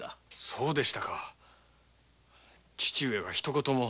そうでしたか父上は一言も。